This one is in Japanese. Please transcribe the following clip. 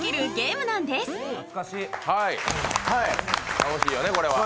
楽しいよね、これは。